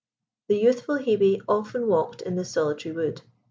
The youthful Hebe often walked in this solitary wood.